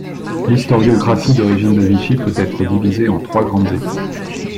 L'historiographie de régime de Vichy peut être divisée en trois grandes étapes.